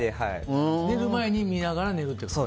寝る前に見ながら寝るって感じ？